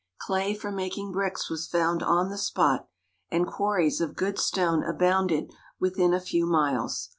Clay for making bricks was found on the spot, and quarries of good stone abounded within a few miles.